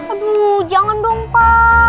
aduh jangan dong pa